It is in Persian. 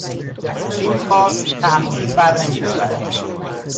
این کار تاخیر بر نمیدارد.